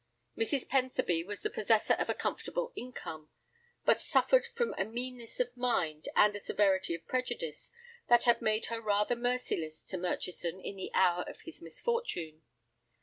Mrs. Pentherby was the possessor of a comfortable income, but suffered from a meanness of mind and a severity of prejudice that had made her rather merciless to Murchison in the hour of his misfortune.